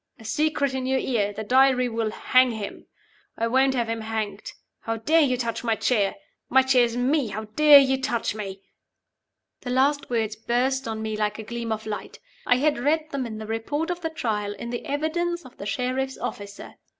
A secret in your ear. The Diary will hang, him. I won't have him hanged. How dare you touch my chair? My chair is Me! How dare you touch Me?'" The last words burst on me like a gleam of light! I had read them in the Report of the Trial in the evidence of the sheriff's officer.